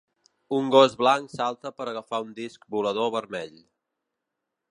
Un gos blanc salta per agafar un disc volador vermell.